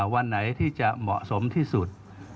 วันไหนที่จะเหมาะสมที่สุด